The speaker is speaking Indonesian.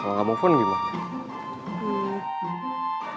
kalau gak nelfon gimana